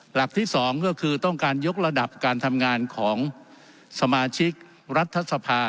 หลักที่สองก็คือต้องการยกระดับการทำงานของสมาชิกรัฐสภา